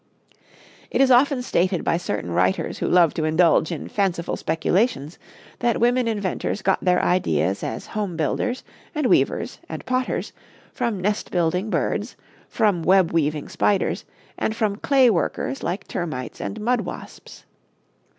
It is often stated by certain writers who love to indulge in fanciful speculations that women inventors got their ideas as home builders and weavers and potters from nest building birds, from web weaving spiders, and from clay workers like termites and mud wasps.